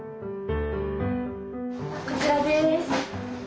こちらです。